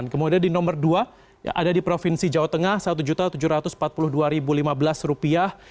kemudian di nomor dua ada di provinsi jawa tengah satu tujuh ratus empat puluh dua lima belas rupiah